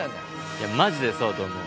いやマジでそうだと思う。